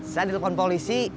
saya dilepon polisi